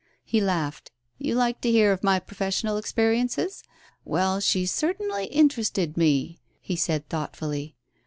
He laughed. "You like to hear of my professional experiences? Well, she certainly interested me," he said thoughtfully.